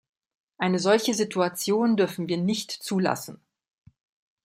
Eine solche Situation dürfen wir nicht zulassen.